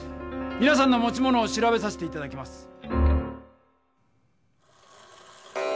みなさんの持ち物を調べさせていただきます！